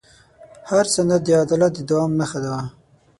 هر سند د عدالت د دوام نښه وه.